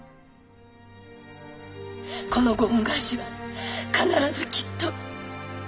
このご恩返しは必ずきっと。